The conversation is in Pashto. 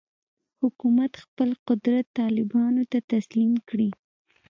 حکومت خپل قدرت طالبانو ته تسلیم کړي.